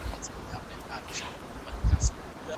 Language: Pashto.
اګوست کنت داسې انګېرله.